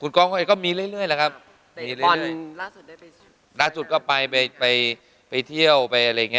คุณก้องก็มีเรื่อยครับล่าสุดก็ไปเที่ยวไปอะไรอย่างนี้